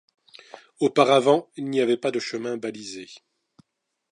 Auparavant il n'y avait pas de chemin balisé.